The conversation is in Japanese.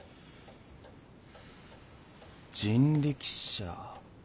人力車。